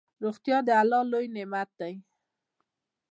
روغتيا دالله لوي نعمت ده